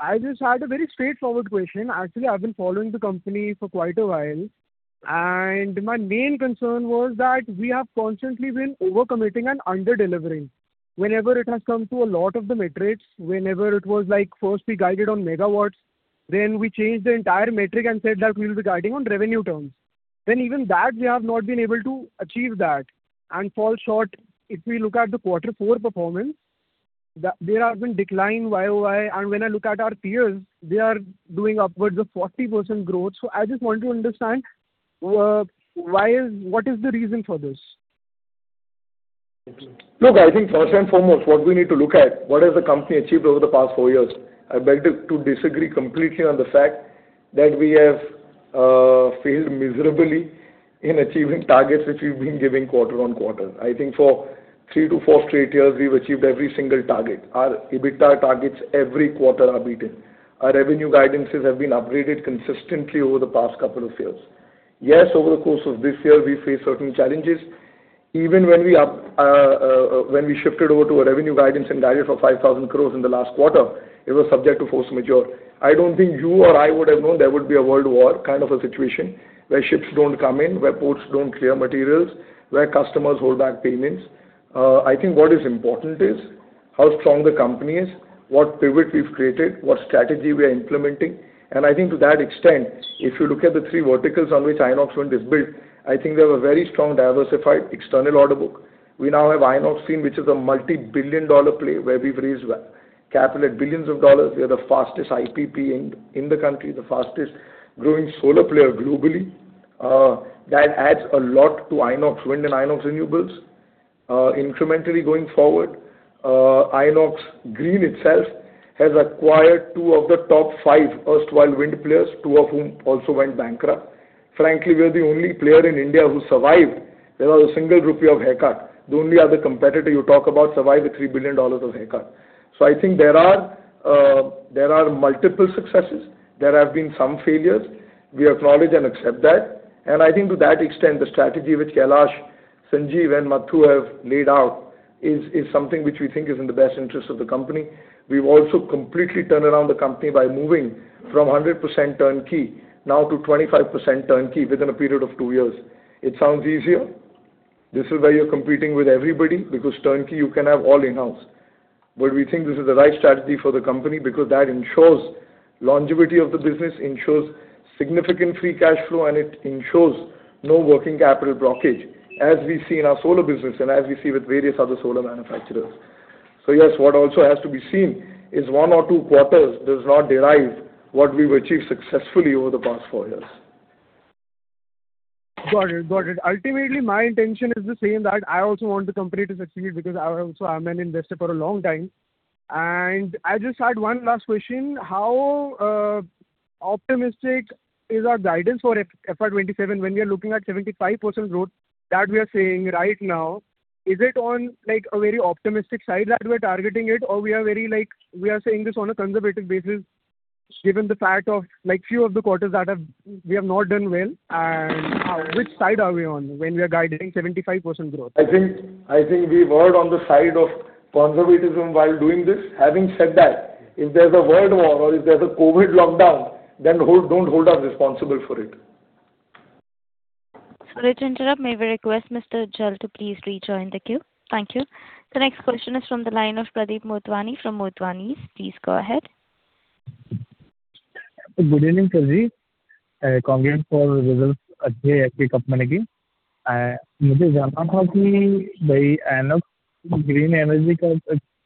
[SPEAKER 15] I just had a very straightforward question. Actually, I have been following the company for quite a while, and my main concern was that we have constantly been over-committing and under-delivering. Whenever it has come to a lot of the metrics, whenever it was like first we guided on megawatts, then we changed the entire metric and said that we will be guiding on revenue terms. Even that, we have not been able to achieve that and fall short. If we look at the quarter four performance, there have been decline YOY, and when I look at our peers, they are doing upwards of 40% growth. I just want to understand what is the reason for this?
[SPEAKER 7] Look, I think first and foremost, what we need to look at, what has the company achieved over the past four years? I beg to disagree completely on the fact that we have failed miserably in achieving targets which we've been giving quarter on quarter. I think for three to four straight years, we've achieved every single target. Our EBITDA targets every quarter are beaten. Our revenue guidance have been upgraded consistently over the past couple of years. Yes, over the course of this year, we faced certain challenges. Even when we shifted over to a revenue guidance and guided for 5,000 crore in the last quarter, it was subject to force majeure. I don't think you or I would have known there would be a world war kind of a situation where ships don't come in, where ports don't clear materials, where customers hold back payments. I think what is important is how strong the company is, what pivot we've created, what strategy we are implementing. I think to that extent, if you look at the three verticals on which Inox Wind is built, I think we have a very strong diversified external order book. We now have Inox Green, which is a multi-billion dollar play where we've raised capital at billions of dollars. We are the fastest IPP in the country, the fastest growing solar player globally. That adds a lot to Inox Wind and Inox Renewables. Incrementally going forward, Inox Green itself has acquired two of the top five erstwhile wind players, two of whom also went bankrupt. Frankly, we are the only player in India who survived without a single rupee of haircut. The only other competitor you talk about survived with $3 billion of haircut. I think there are multiple successes. There have been some failures. We acknowledge and accept that. I think to that extent, the strategy which Kailash, Sanjeev, and Mathu have laid out is something which we think is in the best interest of the company. We've also completely turned around the company by moving from 100% turnkey now to 25% turnkey within a period of two years. It sounds easier. This is where you're competing with everybody because turnkey you can have all in-house, but we think this is the right strategy for the company because that ensures longevity of the business, ensures significant free cash flow, and it ensures no working capital blockage, as we see in our solar business and as we see with various other solar manufacturers. Yes, what also has to be seen is one or two quarters does not derive what we've achieved successfully over the past four years.
[SPEAKER 15] Got it. Ultimately, my intention is the same, that I also want the company to succeed because I'm also an investor for a long time. I just had one last question. How optimistic is our guidance for FY 2027 when we are looking at 75% growth that we are saying right now? Is it on a very optimistic side that we're targeting it, or we are saying this on a conservative basis given the fact of few of the quarters that we have not done well, and which side are we on when we are guiding 75% growth?
[SPEAKER 7] I think we erred on the side of conservatism while doing this. Having said that, if there's a world war or if there's a COVID lockdown, then don't hold us responsible for it.
[SPEAKER 1] Sorry to interrupt. May we request Mr. Ujiwal to please rejoin the queue. Thank you. The next question is from the line of Pradeep Motwani from Motwani's. Please go ahead.
[SPEAKER 16] Good evening, Sanjeev. Congrats for results.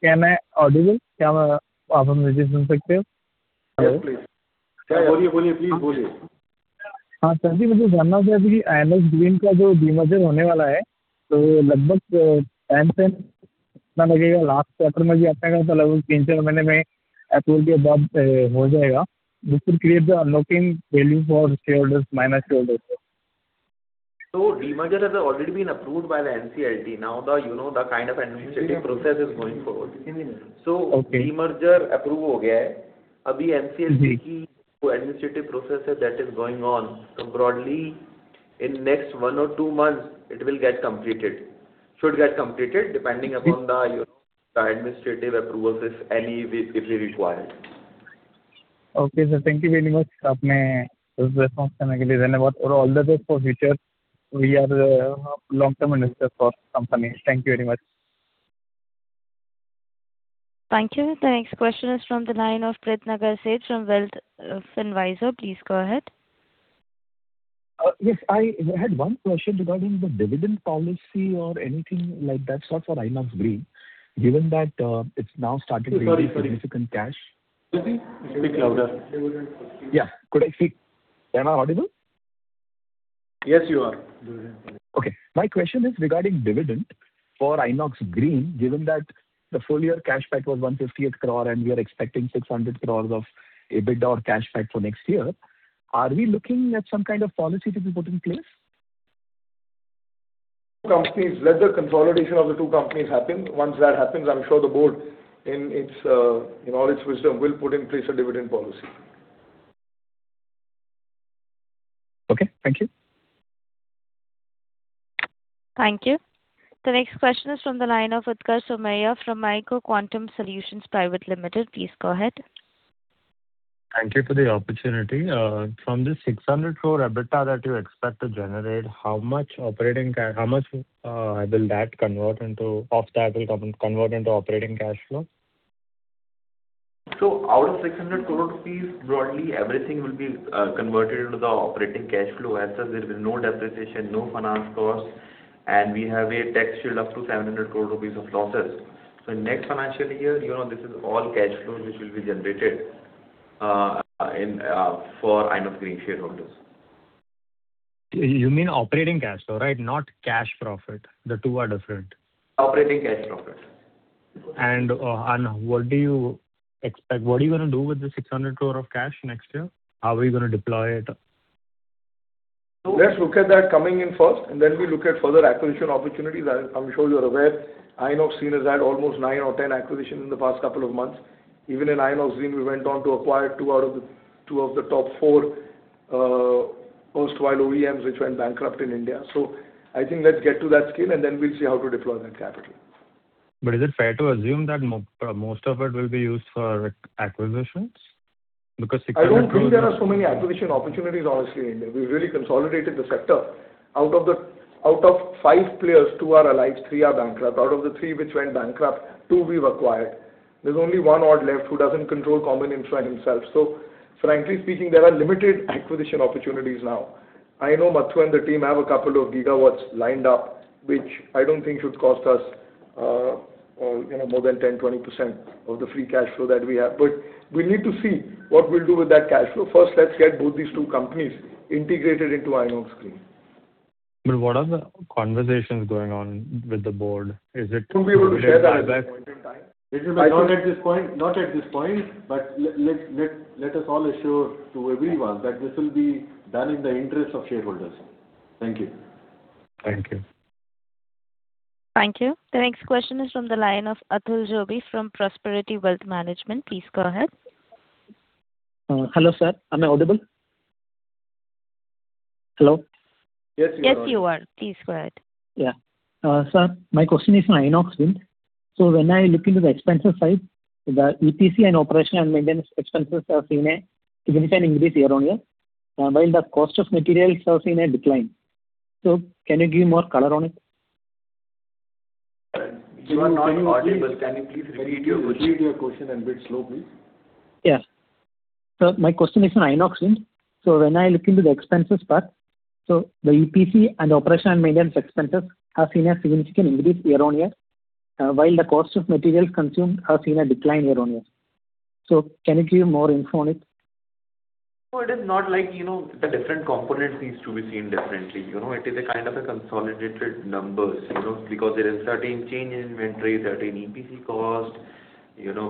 [SPEAKER 16] Am I audible? Can you hear me?
[SPEAKER 7] Yes, please. Please speak.
[SPEAKER 16] Sanjeev, I wanted to know about the demerger of Inox Green. How much time will it take? In the last quarter also, you said that it will happen in three to four months after approval, which will create the unlocking value for minor shareholders.
[SPEAKER 11] Demerger has already been approved by the NCLT. The kind of administrative process is going forward.
[SPEAKER 16] Okay.
[SPEAKER 11] Demerger has been approved. Now NCLT's administrative process is going on. Broadly, in the next one or two months, it will get completed. Should get completed depending upon the administrative approvals, if any, which is required.
[SPEAKER 16] Okay, sir. Thank you very much. Thanks for responding. All the best for the future. We are long-term investors for company. Thank you very much.
[SPEAKER 1] Thank you. The next question is from the line of Prithvagar Sage from Wealth Advisor. Please go ahead.
[SPEAKER 17] Yes, I had one question regarding the dividend policy or anything like that for Inox Green, given that it's now started generating?
[SPEAKER 7] Sorry
[SPEAKER 17] significant cash.
[SPEAKER 7] Could you speak louder?
[SPEAKER 17] Yeah. Am I audible?
[SPEAKER 7] Yes, you are.
[SPEAKER 17] Okay. My question is regarding dividend for Inox Green, given that the full year cash PAT was 158 crore and we are expecting 600 crore of EBITDA or cash PAT for next year, are we looking at some kind of policy to be put in place?
[SPEAKER 7] Let the consolidation of the two companies happen. Once that happens, I'm sure the board in all its wisdom will put in place a dividend policy.
[SPEAKER 17] Okay. Thank you.
[SPEAKER 1] Thank you. The next question is from the line of Utkarsh Somaiya from Micro Quantum Solutions Private Limited. Please go ahead.
[SPEAKER 18] Thank you for the opportunity. From the 600 crore EBITDA that you expect to generate, how much of that will convert into operating cash flow?
[SPEAKER 11] Out of 600 crore rupees, broadly everything will be converted into the operating cash flow. As such, there'll be no depreciation, no finance cost, and we have a tax shield up to 700 crore rupees of losses. In next financial year, this is all cash flow which will be generated for Inox Green shareholders.
[SPEAKER 18] You mean operating cash flow, right? Not cash profit. The two are different.
[SPEAKER 11] Operating cash profit.
[SPEAKER 18] What do you expect? What are you going to do with the 600 crore of cash next year? How are we going to deploy it?
[SPEAKER 7] Let's look at that coming in first, then we look at further acquisition opportunities. I'm sure you're aware, Inox Wind has had almost nine or 10 acquisitions in the past couple of months. Even in Inox Wind, we went on to acquire two of the top four post-wind OEMs which went bankrupt in India. I think let's get to that scale, then we'll see how to deploy that capital.
[SPEAKER 18] Is it fair to assume that most of it will be used for acquisitions? Because ₹600 crore
[SPEAKER 7] I don't think there are so many acquisition opportunities honestly, in India. We really consolidated the sector. Out of five players, two are alive, three are bankrupt. Out of the three which went bankrupt, two we've acquired. There's only one odd left who doesn't control common infra himself. Frankly speaking, there are limited acquisition opportunities now. I know Mathu and the team have a couple of gigawatts lined up, which I don't think should cost us more than 10-20% of the free cash flow that we have. We need to see what we'll do with that cash flow. First, let's get both these two companies integrated into Inox Green.
[SPEAKER 18] What are the conversations going on with the board?
[SPEAKER 7] We'll be able to share that at a point in time. Not at this point but let us all assure to everyone that this will be done in the interest of shareholders. Thank you.
[SPEAKER 18] Thank you.
[SPEAKER 1] Thank you. The next question is from the line of Atul Joby from Prosperity Wealth Management. Please go ahead.
[SPEAKER 19] Hello, sir. Am I audible? Hello.
[SPEAKER 11] Yes, you are.
[SPEAKER 1] Yes, you are. T Squared.
[SPEAKER 19] Yeah. Sir, my question is on Inox Wind. When I look into the expenses side, the EPC and operational and maintenance expenses have seen a significant increase year-on-year, while the cost of materials has seen a decline. Can you give more color on it?
[SPEAKER 11] You are not audible. Can you please repeat your question and a bit slow, please?
[SPEAKER 19] Yeah. My question is on Inox Wind. When I look into the expenses part, so the EPC and operational and maintenance expenses have seen a significant increase year-on-year, while the cost of materials consumed has seen a decline year-on-year. Can you give more info on it?
[SPEAKER 11] It is not like the different components needs to be seen differently. It is a kind of a consolidated numbers, because there is certain change in inventory, certain EPC cost,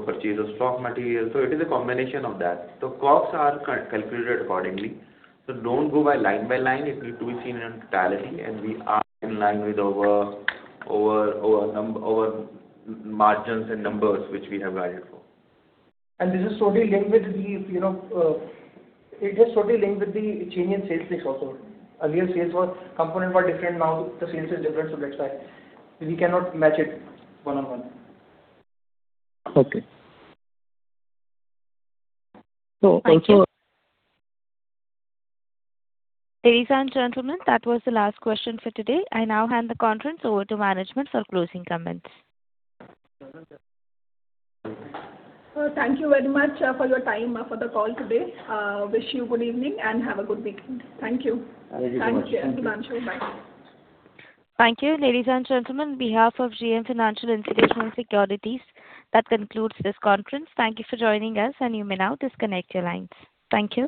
[SPEAKER 11] purchase of stock material. It is a combination of that. Costs are calculated accordingly. Don't go by line by line, it needs to be seen in totality, and we are in line with our margins and numbers which we have guided for.
[SPEAKER 5] It is totally linked with the change in sales mix also. Earlier sales component were different, now the sales is different, so that's why. We cannot match it one on one.
[SPEAKER 19] Okay.
[SPEAKER 1] Thank you. Ladies and gentlemen, that was the last question for today. I now hand the conference over to management for closing comments.
[SPEAKER 3] Thank you very much for your time for the call today. Wish you good evening and have a good weekend. Thank you.
[SPEAKER 11] Thank you very much.
[SPEAKER 3] Thanks, JM Financial. Bye.
[SPEAKER 1] Thank you. Ladies and gentlemen, on behalf of JM Financial Institutional Securities, that concludes this conference. Thank you for joining us, and you may now disconnect your lines. Thank you.